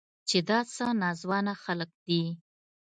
چې دا څه ناځوانه خلق دي.